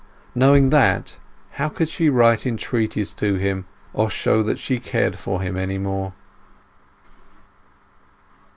Knowing that, how could she write entreaties to him, or show that she cared for him any more?